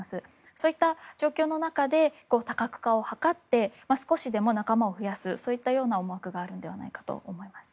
そういった状況の中で多角化を図って少しでも仲間を増やすというような思惑があるのではないかと思います。